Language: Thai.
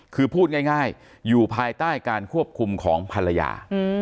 คือพูดง่ายอยู่ภายใต้การควบคุมของภรรยา